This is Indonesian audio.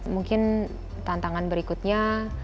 mungkin tantangan berikutnya